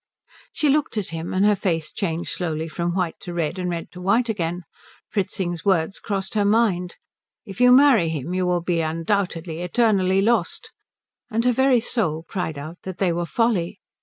She looked at him, and her face changed slowly from white to red and red to white again. Fritzing's words crossed her mind "If you marry him you will be undoubtedly eternally lost," and her very soul cried out that they were folly.